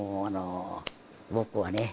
僕はね